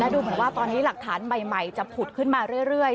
ดูเหมือนว่าตอนนี้หลักฐานใหม่จะผุดขึ้นมาเรื่อย